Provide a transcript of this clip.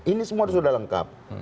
ini semua sudah lengkap